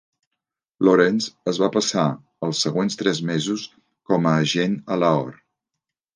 Lawrence es va passar els següents tres mesos com a agent a Lahore.